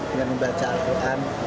dengan membaca al quran